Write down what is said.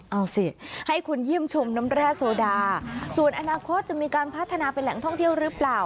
เอาสิให้คุณเยี่ยมชมน้ำแร่โซดาส่วนอนาคตจะมีการพัฒนาเป็นแหล่งท่องเที่ยวหรือเปล่า